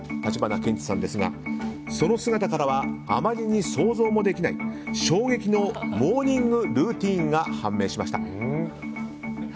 橘ケンチさんですがその姿からはあまりに想像もできない衝撃のモーニングルーティンが判明しました。